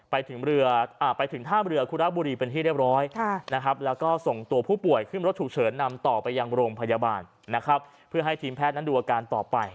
ไปถึงท่ามเรือคุรบุรีเป็นที่เรียบร้อย